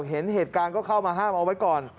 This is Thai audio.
เห็นเหตุการณ์ก็เข้ามาห้ามเอาไว้ก่อน